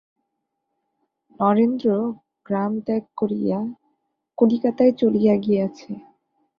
নরেন্দ্র গ্রাম ত্যাগ করিয়া কলিকাতায় চলিয়া গিয়াছে।